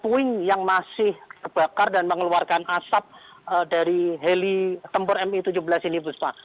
pembersihan yang masih kebakar dan mengeluarkan asap dari heli tempur mi tujuh belas ini bu sba